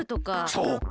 そうか。